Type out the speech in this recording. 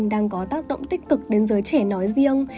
đang có tác động tích cực đến giới trẻ nói riêng